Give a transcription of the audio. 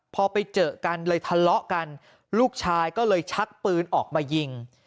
พอไปเจอกันเลยทะเลาะกันลูกชายก็เลยชักปืนออกมายิง